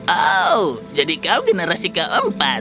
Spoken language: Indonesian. oh jadi kau generasi keempat